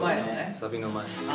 サビの前。